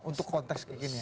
untuk konteks kekinian